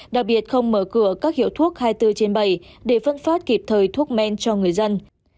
đặc biệt không mở cửa các hiệu thuốc hai mươi bốn trên bảy để phân phát kịp thời thuốc men cho người dân